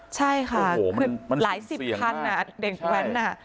ใช่ค่ะโอ้โหคือหลายสิบคันอ่ะเด็กแว้นอ่ะใช่